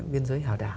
viên giới hào đảo